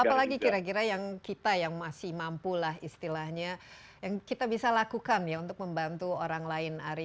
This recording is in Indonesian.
dan apa lagi kira kira yang kita yang masih mampu lah istilahnya yang kita bisa lakukan ya untuk membantu orang lain ari